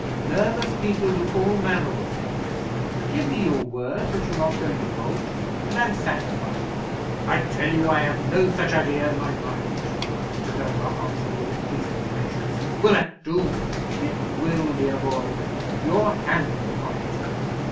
Nervous people do all manner of things. Give me your word that you're not going to bolt, and I'm satisfied." "I tell you, I have no such idea in my mind," Mr. Dunbar answered, with increasing impatience. "Will that do?" "It will, dear boy. Your hand upon it!